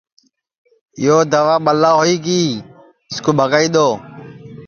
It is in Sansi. یو دوا ٻلا ہوئی گی اِس کُو ٻگائی دؔو